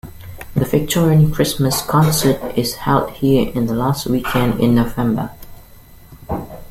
The Victorian Christmas Concert is held here on the last weekend in November.